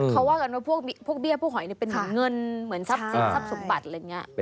เพราะพวกเบี้ยพวกหอยมันเป็นเหงื่อนแล้วบทสรรค์สุขภาพ